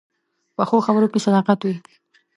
پخو خبرو کې صداقت وي